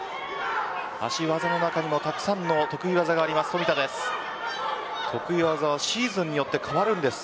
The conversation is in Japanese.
足技の中にもたくさんの得意技がある冨田です。